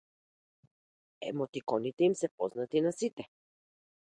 Емотиконите им се познати на сите.